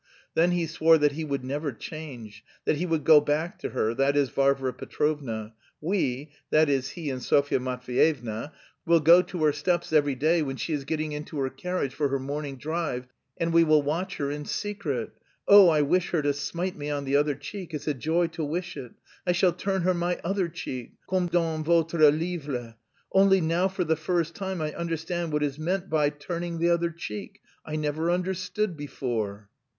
Then he swore that "he would never change," that he would go back to her (that is, Varvara Petrovna). "We" (that is, he and Sofya Matveyevna) "will go to her steps every day when she is getting into her carriage for her morning drive, and we will watch her in secret.... Oh, I wish her to smite me on the other cheek; it's a joy to wish it! I shall turn her my other cheek comme dans votre livre! Only now for the first time I understand what is meant by... turning the other cheek. I never understood before!"